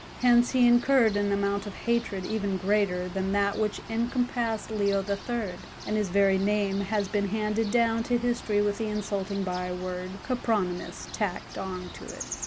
Hence he incurred an amount of hatred even greater than that which encompassed Leo III., and his very name has been handed down to history with the insulting byword Copronymus tacked on to it.